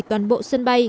toàn bộ sân bay